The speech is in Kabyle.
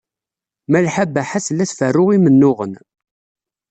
Malḥa Baḥa tella tferru imennuɣen.